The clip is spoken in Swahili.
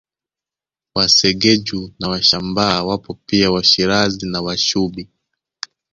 Wasegeju na Washambaa wapo pia Washirazi na Washubi